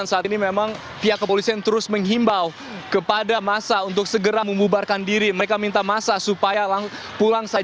tapi memang itu hanya mengubarkan mereka sesaat